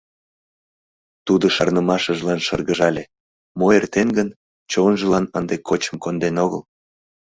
Тудо шарнымашыжлан шыргыжале, мо эртен гын – чонжылан ынде кочым конден огыл.